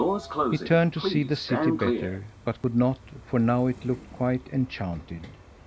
He turned to see the city better, but could not, for now it looked quite enchanted.